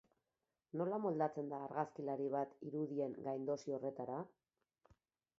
Nola moldatzen da argazkilari bat irudien gaindosi horretara?